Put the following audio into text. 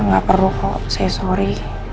gak perlu kalau aku say sorry